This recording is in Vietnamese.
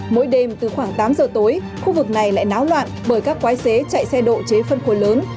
mỗi đêm từ khoảng tám giờ tối khu vực này lại náo loạn bởi các quái xế chạy xe độ chế phân khối lớn